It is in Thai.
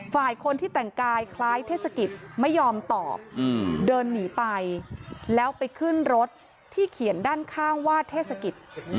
ฝ่ายคนที่แต่งกายคล้ายเทศกิจไม่ยอมตอบเดินหนีไปแล้วไปขึ้นรถที่เขียนด้านข้างว่าเทศกิจ